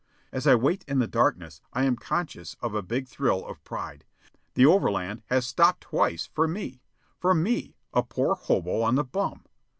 As I wait in the darkness I am conscious of a big thrill of pride. The overland has stopped twice for me for me, a poor hobo on the bum.